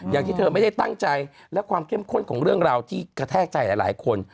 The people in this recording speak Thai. อย่างที่เธอไม่ได้ตั้งใจและความเข้มข้นของเรื่องราวที่กระแทกใจหลายคน